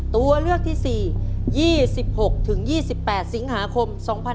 ตัวเลือกที่๔๒๖๒๘สิงหาคม๒๕๖๒